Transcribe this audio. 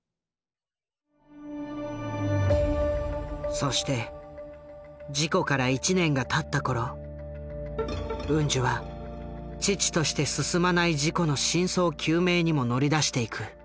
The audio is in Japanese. そして事故から１年がたった頃ウンジュは遅々として進まない事故の真相究明にも乗り出していく。